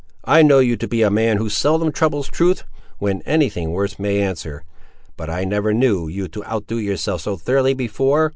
I know you to be a man who seldom troubles truth, when any thing worse may answer, but I never knew you to outdo yourself so thoroughly before.